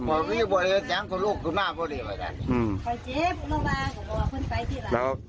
เย็นกูว่าโชคงน่าไปให้การ